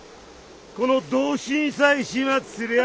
この同心さえ始末すりゃあ